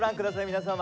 皆様。